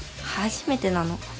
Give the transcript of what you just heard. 初めてなの。